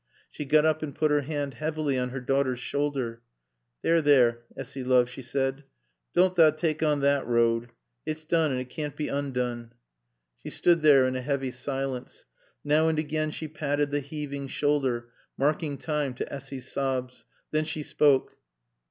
She got up and put her hand heavily on her daughter's shoulder. "There, there, Assy, loove," she said. "Doan' tha taake on thot road. It's doon, an' it caann't be oondoon." She stood there in a heavy silence. Now and again she patted the heaving shoulder, marking time to Essy's sobs. Then she spoke.